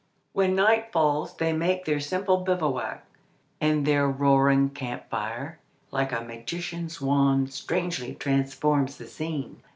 When night falls they make their simple bivouac, and their roaring camp fire like a magician's wand strangely transforms the scene.